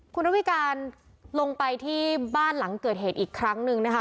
คุณระวิการลงไปที่บ้านหลังเกิดเหตุอีกครั้งหนึ่งนะคะ